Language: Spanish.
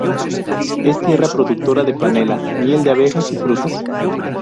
Es tierra productora de panela, miel de abejas y frutas.